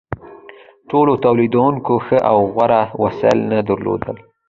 ټولو تولیدونکو ښه او غوره وسایل نه درلودل.